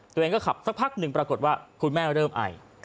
ตัวเองก็ขับสักพักหนึ่งปรากฏว่าคุณแม่เริ่มไอ